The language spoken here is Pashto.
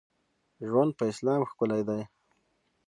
ژوند په اسلام ښکلی دی.